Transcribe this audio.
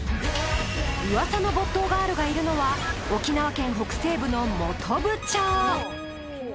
噂の没頭ガールがいるのは沖縄県北西部の本部町。